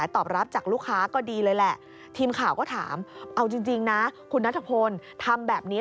ทีมข่าวก็ถามเอาจริงนะคุณนัฐพลทำแบบนี้